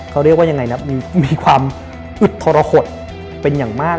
เขาเรียกว่ายังไงนะมีความอึดทรหดเป็นอย่างมาก